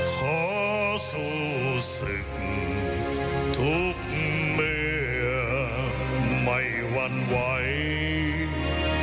ขอสู้ศึกทุกเมื่อไม่หวั่นไหว